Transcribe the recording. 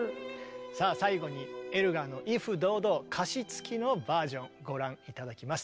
さあ最後にエルガーの「威風堂々」歌詞付きのバージョンご覧頂きます。